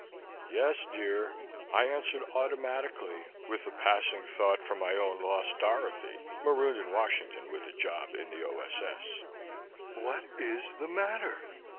"Yes, dear!" I answered automatically, with a passing thought for my own lost Dorothy, marooned in Washington with a job in the O.S.S. "What is the matter?"